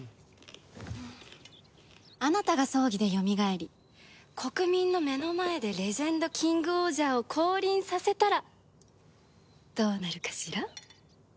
あなたが葬儀でよみがえり国民の目の前でレジェンドキングオージャーを降臨させたらどうなるかしら？